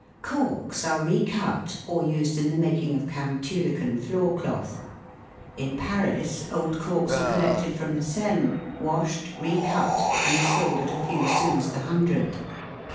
Corks are re cut or used in the making of kamptulicon floor cloth. In Paris old corks are collected from the Seine, washed, re cut, and sold at a few sous the hundred.